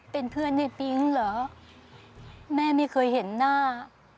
เป็นเพื่อนในปิ๊งเหรอแม่ไม่เคยเห็นหน้า